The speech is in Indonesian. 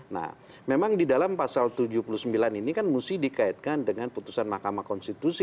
nah memang di dalam pasal tujuh puluh sembilan ini kan mesti dikaitkan dengan putusan mahkamah konstitusi